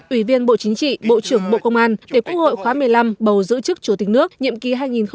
ủy viên bộ chính trị bộ trưởng bộ công an để quốc hội khóa một mươi năm bầu giữ chức chủ tịch nước nhiệm kỳ hai nghìn hai mươi hai nghìn hai mươi sáu